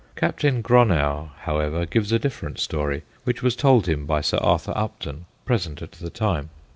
Captain Gronow, however, gives a different story, which was told him by Sir Arthur Upton, present at the time.